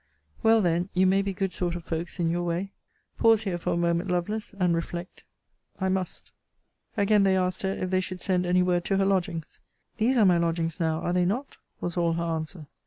Well, then, you may be good sort of folks in your way. Pause here for a moment, Lovelace! and reflect I must. Again they asked her if they should send any word to her lodgings? These are my lodgings now; are they not? was all her answer.